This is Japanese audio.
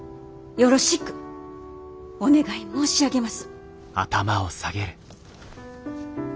よろしくお願い申し上げます。